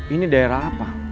ini daerah apa